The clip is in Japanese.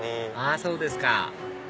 あそうですか